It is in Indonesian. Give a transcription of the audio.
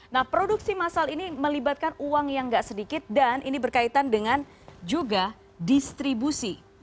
nah produksi masal ini melibatkan uang yang tidak sedikit dan ini berkaitan dengan juga distribusi